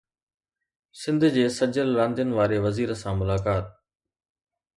سنڌ جي سجيل راندين واري وزير سان ملاقات